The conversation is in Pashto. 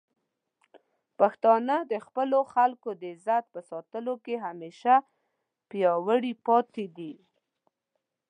پښتانه د خپلو خلکو د عزت په ساتلو کې همیشه پیاوړي پاتې دي.